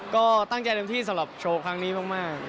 ก็ตั้งใจเต็มที่สำหรับโชว์ครั้งนี้มาก